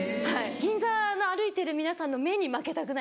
銀座の歩いてる皆さんの目に負けたくないんですよ。